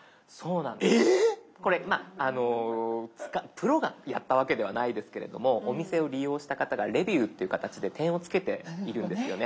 プロがやったわけではないですけれどもお店を利用した方がレビューっていう形で点をつけているんですよね。